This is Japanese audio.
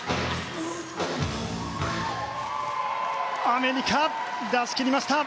アメリカ出しきりました。